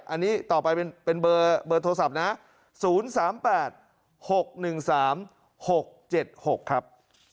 อันนี้ต่อไปเป็นเบอร์โทรศัพท์นะ๐๓๘๖๑๓๖๗๖ครับ